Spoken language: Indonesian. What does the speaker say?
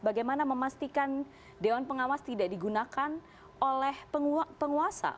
bagaimana memastikan dewan pengawas tidak digunakan oleh penguasa